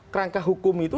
kerangka hukum itu